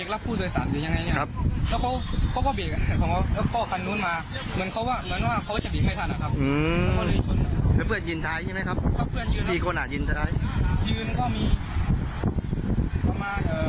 แล้วก็คนท้ายใช่ไหมครับ